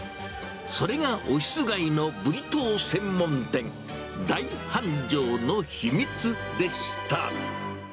それがオフィス街のブリトー専門店、大繁盛のヒミツでした。